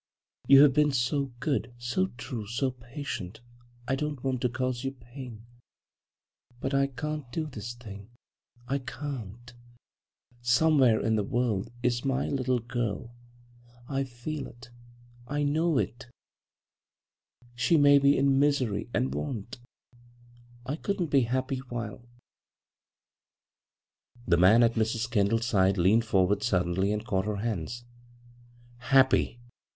You have been so good, so true, so patient — I don't want to cause you pain ; but I can't do this thing — 1 can't I Somewhere in the world is my little girl — I leel it ; I know it She may be in misery and want I couldn't be happy while " The man at Mrs. Kendall's side leaned for ward suddenly and caught her hands. "' Happy